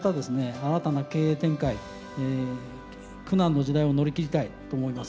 新たな経営展開苦難の時代を乗り切りたいと思います。